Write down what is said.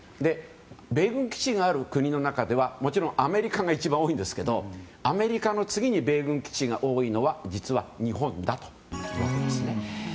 米軍基地がある国の中ではもちろんアメリカが一番多いんですけどアメリカの次に米軍基地が多いのは実は日本だということです。